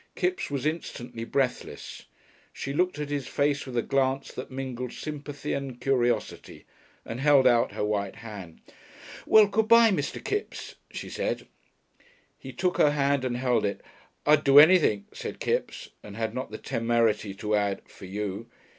Kipps was instantly breathless. She looked at his face with a glance that mingled sympathy and curiosity, and held out her white hand. "Well, good bye, Mr. Kipps," she said. He took her hand and held it. "I'd do anything," said Kipps, and had not the temerity to add, "for you."